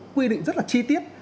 quy định rất là chi tiết